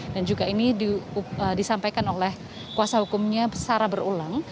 dan juga ini disampaikan oleh kuasa hukumnya secara berulang